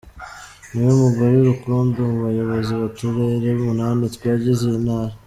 Ni we mugore rukumbi mu bayobozi b’uturere umunani tugize iyo ntara.